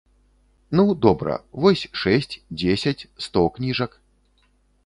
Ну, добра, вось шэсць, дзесяць, сто кніжак.